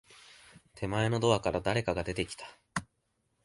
手前のドアから、誰かが出てきた。